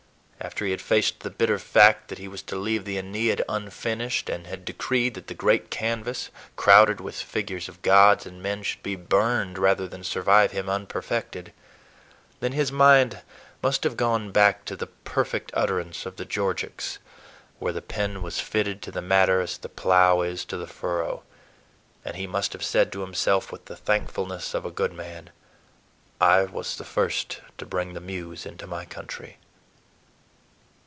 After he had faced the bitter fact that he was to leave the Æneid unfinished, and had decreed that the great canvas, crowded with figures of gods and men, should be burned rather than survive him unperfected, then his mind must have gone back to the perfect utterance of the Georgics, where the pen was fitted to the matter as the plough is to the furrow; and he must have said to himself with the thankfulness of a good man, "I was the first to bring the Muse into my country."